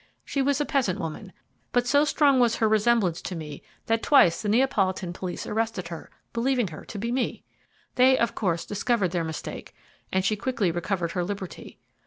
She was a peasant woman, but so strong was her resemblance to me, that twice the Neapolitan police arrested her, believing her to be me. They, of course, discovered their mistake, and she quickly recovered her liberty.